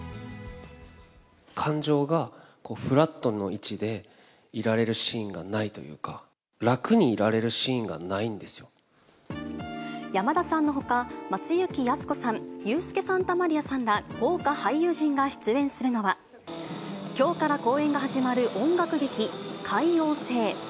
感情がフラットの位置でいられるシーンがないというか、楽にいられるシーンがないんです山田さんのほか、松雪泰子さん、ユースケ・サンタマリアさんら、豪華俳優陣が出演するのは、きょうから公演が始まる音楽劇、海王星。